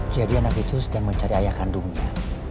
jadi anak itu sedang mencari ayah kandungnya